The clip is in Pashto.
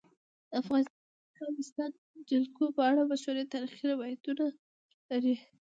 افغانستان د د افغانستان جلکو په اړه مشهور تاریخی روایتونه لري.